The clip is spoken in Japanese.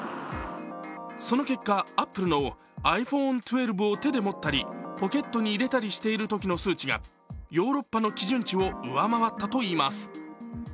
その結果、アップルのｉＰｈｏｎｅ１２を手で持ったり、ポケットに入れたりしているときの数値がヨーロッパの基準値を上回ったといいます。